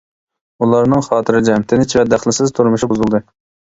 ئۇلارنىڭ خاتىرجەم، تىنچ ۋە دەخلىسىز تۇرمۇشى بۇزۇلدى.